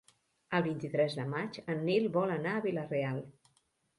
El vint-i-tres de maig en Nil vol anar a Vila-real.